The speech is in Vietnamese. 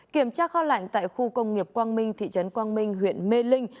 kiểm tra kho lạnh tại khu công nghiệp quang minh thị trấn quang minh huyện mê linh